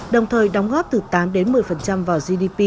đồng thời đóng góp tự do